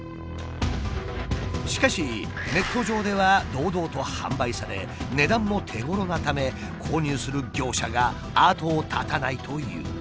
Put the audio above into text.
しかしネット上では堂々と販売され値段も手ごろなため購入する業者が後を絶たないという。